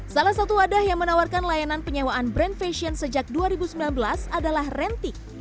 salah satu wadah yang menawarkan layanan penyewaan brand fashion sejak dua ribu sembilan belas adalah rentik